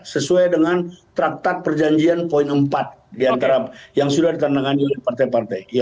sesuai dengan traktat perjanjian poin empat diantara yang sudah ditandatangani oleh partai partai